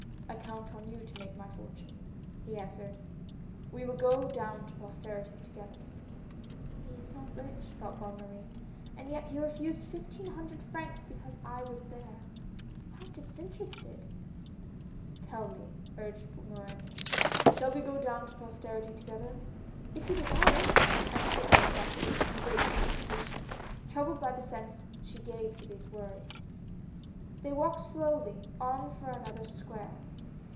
"I count on you to make my fortune," he answered. "We will go down to posterity together." " He is not rich," thought Bonne Marie, " and yet he refused fifteen hundred francs because I was there. How disinterested !" "Tell me," urged Morin, "shall we go down to posterity together ?" "If you desire it!" answered the girl softly, in great agitation, troubled by the sense she gave to these words. They walked slowly on for another square.